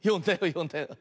よんだよね？